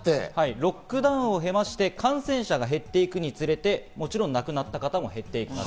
ロックダウンを経まして感染者が減っていくにつれて、もちろん亡くなった方も減ります。